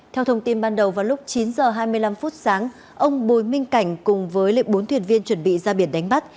theo thông tin ban đầu vào lúc chín h hai mươi năm phút sáng ông bùi minh cảnh cùng với bốn thuyền viên chuẩn bị ra biển đánh bắt